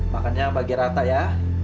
makannya bagi rata ya